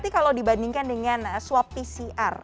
kalau dibandingkan dengan swab pcr